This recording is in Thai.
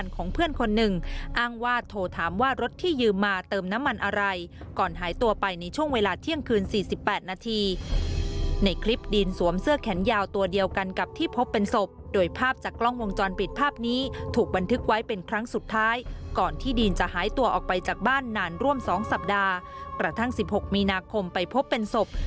ของเพื่อนคนหนึ่งอ้างว่าโทรถามว่ารถที่ยืมมาเติมน้ำมันอะไรก่อนหายตัวไปในช่วงเวลาเที่ยงคืนสี่สิบแปดนาทีในคลิปดีนสวมเสื้อแขนยาวตัวเดียวกันกับที่พบเป็นศพโดยภาพจากกล้องวงจรปิดภาพนี้ถูกบันทึกไว้เป็นครั้งสุดท้ายก่อนที่ดีนจะหายตัวออกไปจากบ้านนานร่วมสองสัปดาห์กระทั่งสิบ